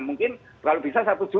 mungkin kalau bisa rp satu